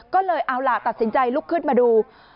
ก็เลยเอาล่ะตัดสินใจลุกขึ้นมาดู